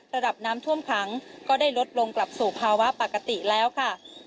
ระดับน้ำท่วมขังก็ได้ลดลงกลับสู่ภาวะปกติแล้วค่ะ